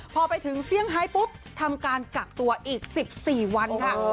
พอไปถึงเซี่ยงไฮปุ๊บทำการกักตัวอีก๑๔วันค่ะ